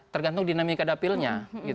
tergantung dinamika dapilnya